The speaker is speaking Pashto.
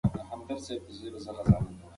که ماشوم بیا راشي، انا به ورته د مېړانې قصې وکړي.